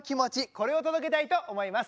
これを届けたいと思います。